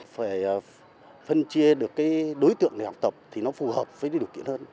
phải phân chia được đối tượng học tập thì nó phù hợp với điều kiện hơn